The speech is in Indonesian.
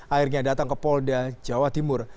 akhirnya datang ke polda jawa timur